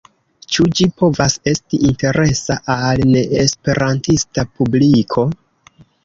Ĉu ĝi povas esti interesa al neesperantista publiko?